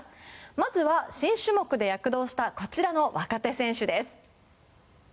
まずは、新種目で躍動したこちらの若手選手です。